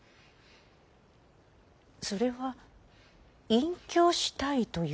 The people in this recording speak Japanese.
それは隠居したいということ？